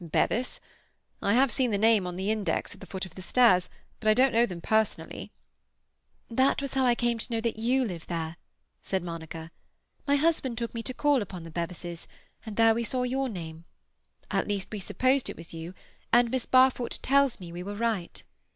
"Bevis? I have seen the name on the index at the foot of the stairs; but I don't know them personally." "That was how I came to know that you live there," said Monica. "My husband took me to call upon the Bevises, and there we saw your name. At least, we supposed it was you, and Miss Barfoot tells me we were right."